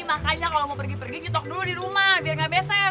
makanya kalau mau pergi pergi ngitok dulu di rumah biar gak beser